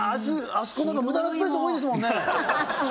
あそこなんか無駄なスペース多いですもんね